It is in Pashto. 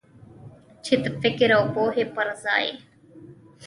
چې د فکر او پوهې پر ځای.